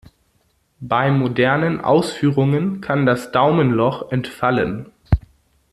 Bei modernen Ausführungen kann das Daumenloch entfallen.